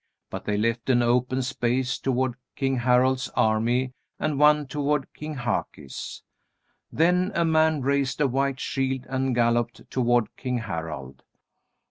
But they left an open space toward King Harald's army and one toward King Haki's. Then a man raised a white shield and galloped toward King Harald.